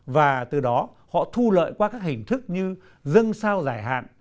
và từ đó họ thu lợi qua các hình thức như dân sao giải hạn